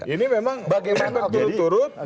ini memang berturut turut